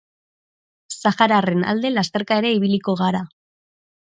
Sahararren alde lasterka ere ibiliko gara.